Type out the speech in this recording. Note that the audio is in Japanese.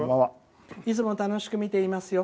いつも楽しく見ていますよ。